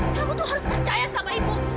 kamu tuh harus percaya sama ibu